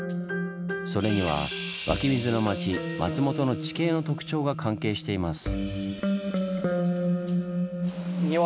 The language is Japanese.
それには「湧き水の町松本」の地形の特徴が関係しています。